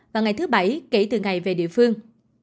và ngày thứ bảy kể từ ngày về địa phương